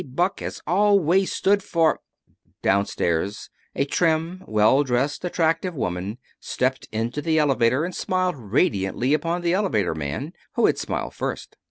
Buck has always stood for " Downstairs a trim, well dressed, attractive woman stepped into the elevator and smiled radiantly upon the elevator man, who had smiled first.